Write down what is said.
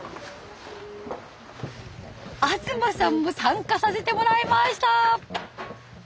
東さんも参加させてもらいました。